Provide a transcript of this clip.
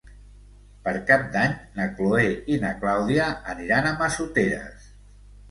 Per Cap d'Any na Chloé i na Clàudia aniran a Massoteres.